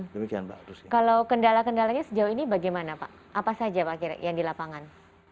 kalau kendala kendalanya sejauh ini bagaimana pak apa saja pak kira yang di lapangan